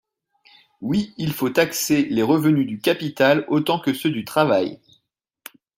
Oui, il faut taxer les revenus du capital autant que ceux du travail.